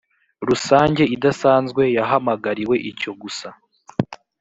rusange idasanzwe yahamagariwe icyo gusa